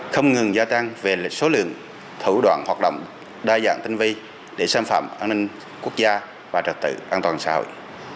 không ngừng gia tăng về số lượng thủ đoạn hoạt động đa dạng tinh vi để xâm phạm an ninh quốc gia và trật tự an toàn xã hội